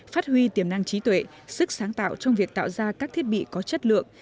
phát huy tiềm năng trí tuệ sức sáng tạo trong việc tạo ra các thiết bị có chất lượng